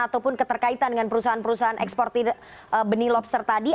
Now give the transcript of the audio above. ataupun keterkaitan dengan perusahaan perusahaan ekspor benih lobster tadi